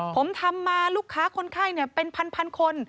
ผมทำมาลูกค้าคนไข้เป็นพันคน